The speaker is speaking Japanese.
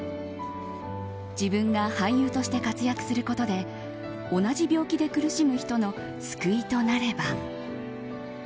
自分が俳優として活躍することで同じ病気で苦しむ人の救いとなれば。